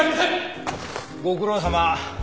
ご苦労さま。